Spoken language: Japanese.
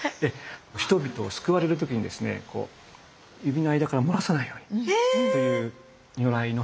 人々を救われる時にですね指の間から漏らさないようにという如来の表現なんですね。